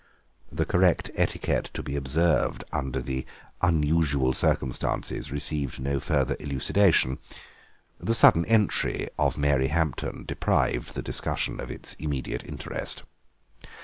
The correct etiquette to be observed under the unusual circumstances received no further elucidation. The sudden entry of Mary Hampton deprived the discussion of its immediate interest.